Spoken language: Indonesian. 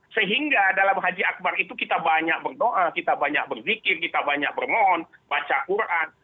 sehingga dalam haji akbar itu kita banyak berdoa kita banyak berzikir kita banyak bermohon baca quran